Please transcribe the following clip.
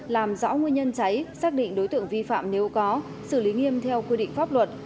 làm rõ nguyên nhân cháy xác định đối tượng vi phạm nếu có xử lý nghiêm theo quy định pháp luật